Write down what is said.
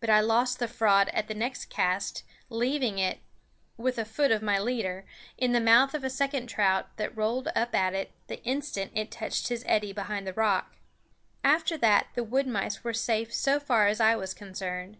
But I lost the fraud at the next cast, leaving it, with a foot of my leader, in the mouth of a second trout that rolled up at it the instant it touched his eddy behind the rock. After that the wood mice were safe so far as I was concerned.